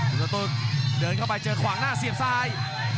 นุ่มสะเติกเดินเข้าไปเจอขวางหน้าเสียบซ้าย